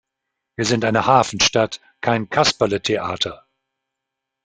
Wir sind eine Hafenstadt, kein Kasperletheater!